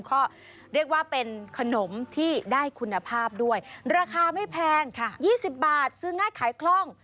ก็เรียกว่าเป็นขนมที่ได้คุณภาพด้วยราคาไม่แพง๒๐บาทซื้อง่ายขายคล่อง